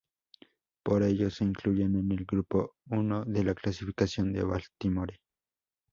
Por ello se incluyen en el grupo I de la clasificación de Baltimore.